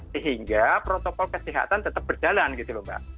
sehingga protokol kesehatan tetap berjalan gitu loh mbak